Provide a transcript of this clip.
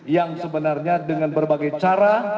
yang sebenarnya dengan berbagai cara